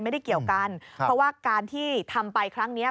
ไม่ได้เกี่ยวกันเพราะว่าการที่ทำไปครั้งนี้